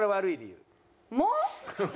もう？